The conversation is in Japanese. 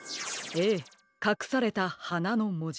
ええかくされた「はな」のもじ。